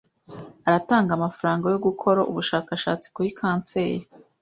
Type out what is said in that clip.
Aratanga amafaranga yo gukora ubushakashatsi kuri kanseri.